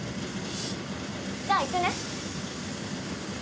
じゃあ行くね。